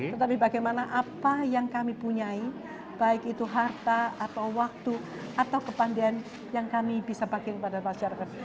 tetapi bagaimana apa yang kami punyai baik itu harta atau waktu atau kepandian yang kami bisa bagi kepada masyarakat